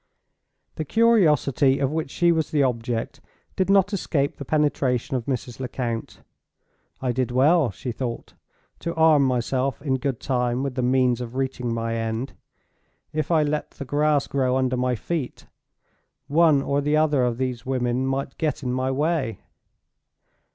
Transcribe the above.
The curiosity of which she was the object did not escape the penetration of Mrs. Lecount. "I did well," she thought, "to arm myself in good time with the means of reaching my end. If I let the grass grow under my feet, one or the other of those women might get in my way."